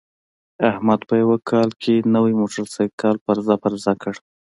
احمد په یوه کال کې نوی موټرسایکل پرزه پرزه کړ.